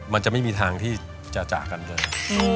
มันจะไม่มีทางที่จะจากกันด้วย